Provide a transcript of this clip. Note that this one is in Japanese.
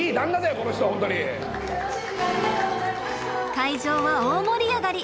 会場は大盛り上がり！